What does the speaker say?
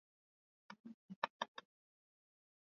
Tumekataa kuteswa kama watumwa